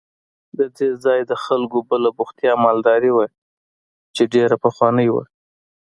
د دې ځای د خلکو بله بوختیا مالداري وه چې ډېره پخوانۍ وه.